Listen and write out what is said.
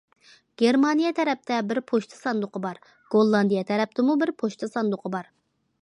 گېرمانىيە تەرەپتە بىر پوچتا ساندۇقى بار، گوللاندىيە تەرەپتىمۇ بىر پوچتا ساندۇقى بار.